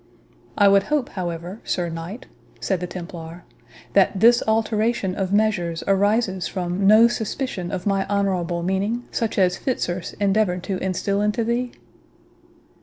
"I would hope, however, Sir Knight," said the Templar, "that this alteration of measures arises from no suspicion of my honourable meaning, such as Fitzurse endeavoured to instil into thee?"